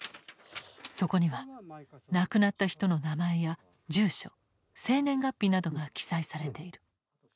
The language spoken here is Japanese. そこには亡くなった人の名前や住所生年月日などが記載されている。